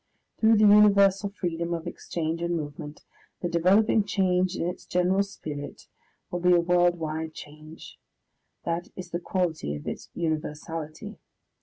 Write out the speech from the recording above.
Through the universal freedom of exchange and movement, the developing change in its general spirit will be a world wide change; that is the quality of its universality.